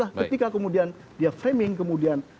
nah ketika kemudian dia framing kemudian